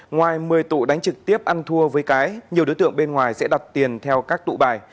ngoài một mươi tụ đánh trực tiếp ăn thua với cái nhiều đối tượng bên ngoài sẽ đặt tiền theo các tụ bài